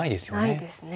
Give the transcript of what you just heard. ないですね。